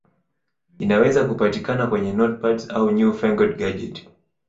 Inaweza kupatikana kwenye notepads au newfangled gadget